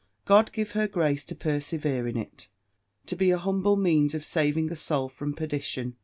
God give her grace to persevere in it! To be an humble means of saving a soul from perdition!